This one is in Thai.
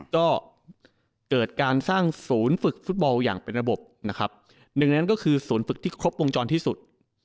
ก็เกิดการสร้างศูนย์ฝึกฟุตบอลอย่างเป็นระบบนะครับหนึ่งในนั้นก็คือศูนย์ฝึกที่ครบวงจรที่สุด